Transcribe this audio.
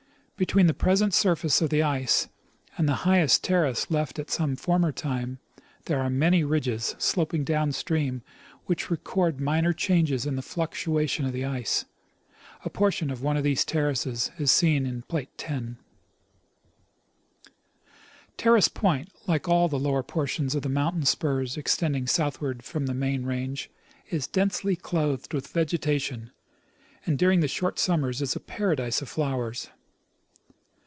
Between the present surface of the ice and the highest terrace left at some former time there are many ridges, sloping down stream, which record minor changes in the fluctu ation of the ice. A portion of one of these terraces is seen to the left in plate 10. Terrace point, like all the lower portions of the mountain spurs extending southward from the main range, is densely clothed with vegetation, and during the short summers is a paradise of flowers.